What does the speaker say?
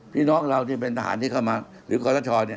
พี่น้องเราที่เป็นทหารที่เข้ามาหรือคอทชเนี่ย